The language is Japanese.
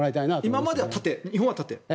今までは日本は盾。